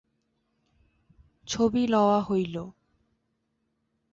ছবি লওয়া হইল।